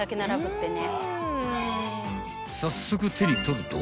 ［早速手に取ると］